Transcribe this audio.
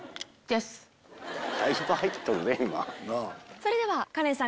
それではカレンさん